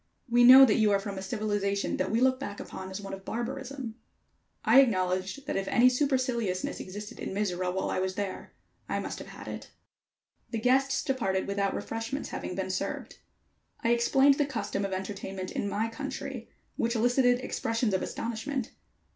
"We know that you are from a civilization that we look back upon as one of barbarism." I acknowledged that if any superciliousness existed in Mizora while I was there, I must have had it. The guests departed without refreshments having been served. I explained the custom of entertainment in my country, which elicited expressions of astonishment.